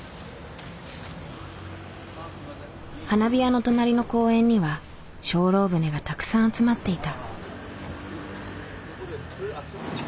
花火屋の隣の公園には精霊船がたくさん集まっていた。